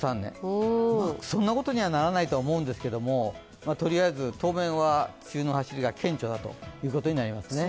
そんなことにはならないと思うんですけど、とりあえず当面は梅雨の走りが顕著だということになりますね。